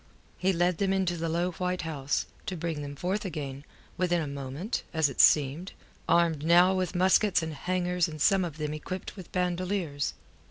He led them into the low white house, to bring them forth again, within a moment, as it seemed, armed now with muskets and hangers and some of them equipped with bandoleers.